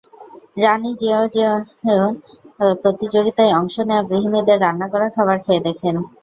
রানি yen yen প্রতিযোগিতায় অংশ নেওয়া গৃহিণীদের রান্না করা খাবার খেয়ে দেখেন।